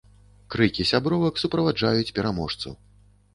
Крыкі сябровак суправаджаюць пераможцу.